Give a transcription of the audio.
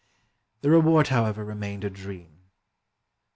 The reward, however, remained a dream.